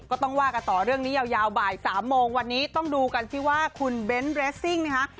ก็ต้องว่ากันต่อเรื่องนี้ยาวบ่าย๓โมงวันนี้ต้องดูกันสิว่าคุณเบ้นเรสซิ่งนะคะ